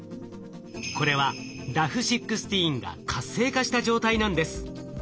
これはｄａｆ−１６が活性化した状態なんです。